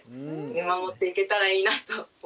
見守っていけたらいいなと思いました。